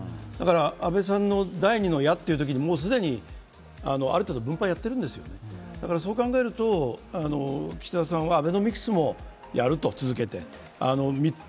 安倍さんの第２の矢というときにある程度分配をやってるんですだから、そう考えると岸田さんはアベノミクスも続けてやると。